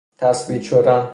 تثبیت شده